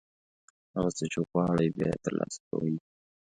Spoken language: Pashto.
هغه څه چې غواړئ، بیا یې ترلاسه کوئ.